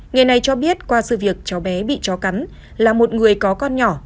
người này cho biết qua sự việc cháu bé bị chó cắn là một người có con nhỏ